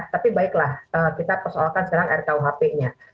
tapi baiklah kita persoalkan sekarang rkuhp nya